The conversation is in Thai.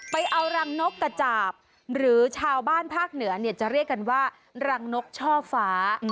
ไปเอารังนกกระจาบหรือชาวบ้านภาคเหนือเนี่ยจะเรียกกันว่ารังนกช่อฟ้า